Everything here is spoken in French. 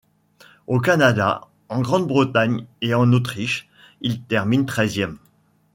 Au Canada, en Grande-Bretagne et en Autriche, il termine treizième.